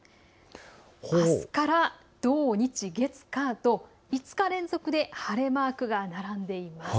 あすから土日、月火と５日連続で晴れマークが並んでいます。